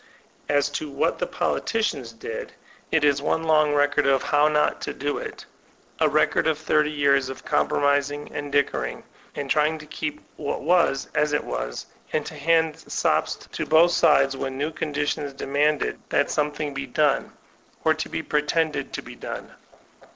As to what the politicians did, it is one long record of "how not to do it," a record of thirty years of com promising, and dickering, and trying to keep what was as it was, and to hand sops to both sidesi when new con ditions demanded that something be done, or be pretended to be done.